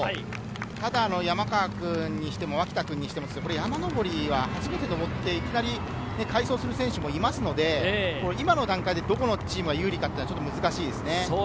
ただ山川君にしても、脇田君にしても山上りは初めて上って快走する選手もいるので、今の段階でどこのチームが有利かは難しいですね。